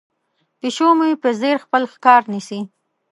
پیشو مې په ځیر خپل ښکار نیسي.